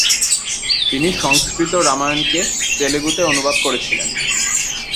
তিনি সংস্কৃত রামায়ণকে তেলুগুতে অনুবাদ করেছিলেন।